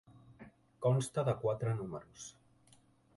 Consta de quatre números.